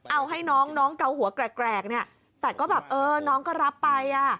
เอาให้น้องน้องเกาหัวแกรกเนี่ยแต่ก็แบบเออน้องก็รับไปอ่ะ